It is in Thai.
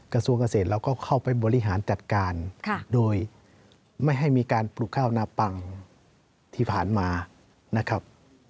กระทรวงเกษตรเราก็เข้าไปบริหารจัดการโดยไม่ให้มีการปลูกข้าวนาปังที่ผ่านมานะครับ